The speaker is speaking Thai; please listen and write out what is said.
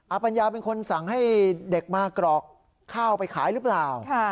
ปัญญาเป็นคนสั่งให้เด็กมากรอกข้าวไปขายหรือเปล่า